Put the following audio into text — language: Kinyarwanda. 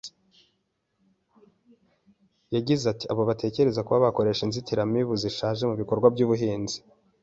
Yagize ati “Abo batekereza kuba bakoresha inzitiramibu zishaje mu bikorwa by’ubuhinzi